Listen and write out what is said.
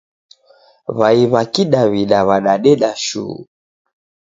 W'ai w'a kidaw'ida w'adadeda shuu.